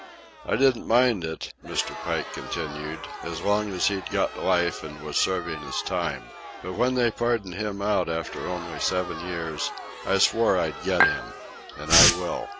"I didn't mind it," Mr. Pike continued, "as long as he'd got life and was serving his time. But when they pardoned him out after only seven years I swore I'd get him. And I will.